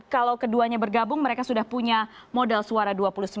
kalau keduanya bergabung mereka sudah punya modal suara dua puluh sembilan